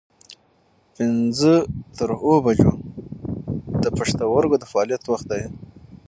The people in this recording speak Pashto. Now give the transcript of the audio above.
پنځه تر اووه بجو د پښتورګو د فعالیت وخت دی.